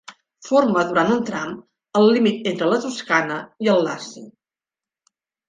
Forma durant un tram el límit entre la Toscana i el Laci.